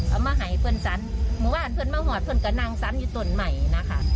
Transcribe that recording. เอามาให้เพื่อนซ้ำหมู่บ้านเพื่อนมาหอยเพื่อนก็นั่งซ้ำอยู่ตนใหม่นะคะ